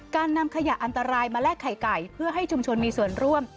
นำขยะอันตรายมาแลกไข่ไก่เพื่อให้ชุมชนมีส่วนร่วม